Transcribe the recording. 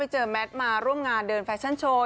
แมทมาร่วมงานเดินแฟชั่นโชว์